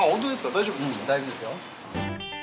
大丈夫ですよ。